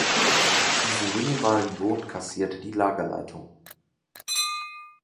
Diesen minimalen Lohn kassierte die Lagerleitung.